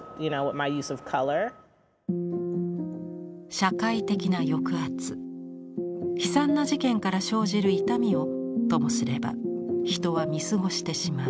社会的な抑圧悲惨な事件から生じる「痛み」をともすれば人は見過ごしてしまう。